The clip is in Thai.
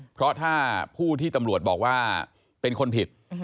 เพราะถ้าผู้ที่ตำรวจบอกว่าเป็นคนผิด